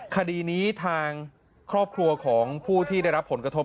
คดีนี้ทางครอบครัวของผู้ที่ได้รับผลกระทบ